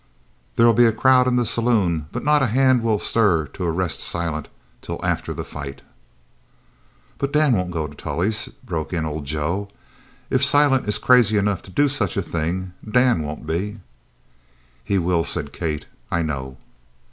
"There'll be a crowd in the saloon, but not a hand will stir to arrest Silent till after the fight." "But Dan won't go to Tully's," broke in old Joe. "If Silent is crazy enough to do such a thing, Dan won't be." "He will," said Kate. "I know!"